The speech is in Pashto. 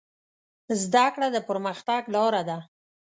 زده کړه د پرمختګ لاره ده.